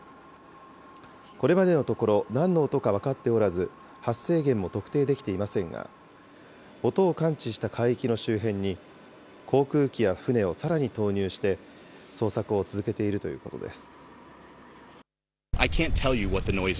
これまでのところなんの音か分かっておらず、発生源も特定できていませんが、音を感知した海域の周辺に、航空機や船をさらに投入して、捜索を続けているということです。